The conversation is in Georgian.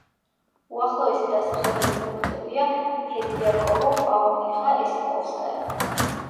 უახლოესი დასახლებული პუნქტებია: ფედიაკოვო, პაუნიხა, ესიპოვსკაია.